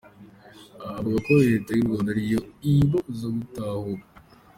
Avuga ko reta y'urwanda ari yo ibabuza gutahuka.